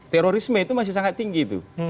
terorisme itu masih sangat tinggi itu